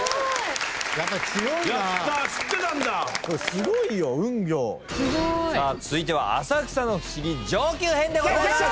すごいよ「うんぎょう」続いては浅草の不思議上級編でございます。